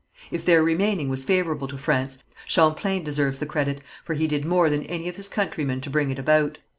If their remaining was favourable to France Champlain deserves the credit, for he did more than any of his countrymen to bring it about.